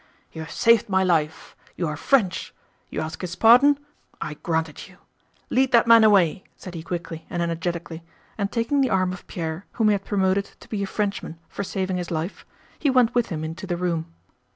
"You have saved my life! You are French. You ask his pardon? I grant it you. Lead that man away!" said he quickly and energetically, and taking the arm of Pierre whom he had promoted to be a Frenchman for saving his life, he went with him into the room.